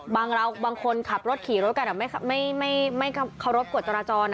บางคนขับรถขี่รถกันไม่เคารพกฎจราจร